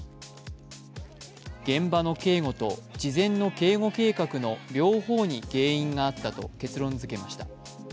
現場の警護と事前の警護計画の両方に原因があったと結論づけました。